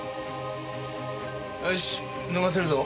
よし脱がせるぞ。